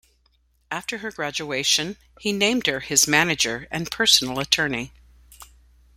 After her graduation, he named her his manager and personal attorney.